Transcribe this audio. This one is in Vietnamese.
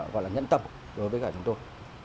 gọi là nhẫn tập đối với cả chúng tôi